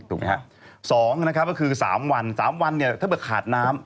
ถูกไหมฮะ๒นะครับก็คือ๓วัน๓วันเนี่ยถ้าเกิดขาดน้ำ